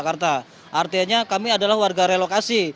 artinya kami adalah warga relokasi